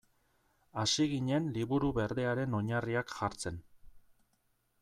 Hasi ginen Liburu Berdearen oinarriak jartzen.